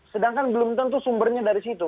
sedangkan belum tentu sumbernya dari situ